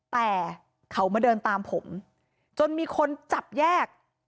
แต่เขามาเดินตามผมจนมีคนจับแยก